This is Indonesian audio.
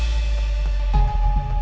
apa yang kamu inginkan